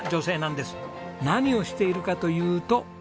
何をしているかというと。